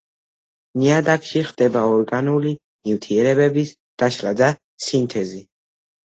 ნიადაგში ხდება ორგანული ნივთიერების დაშლა და სინთეზი.